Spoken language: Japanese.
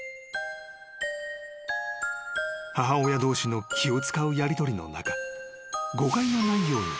［母親同士の気を使うやりとりの中誤解のないように］